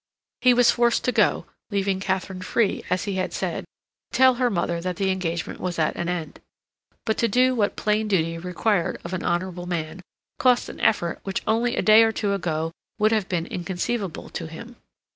He was forced to go, leaving Katharine free, as he had said, to tell her mother that the engagement was at an end. But to do what plain duty required of an honorable man, cost an effort which only a day or two ago would have been inconceivable to him.